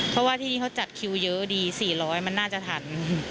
เพราะว่าที่นี่เขาจัดคิวเยอะดี๔๐๐มันน่าจะทัน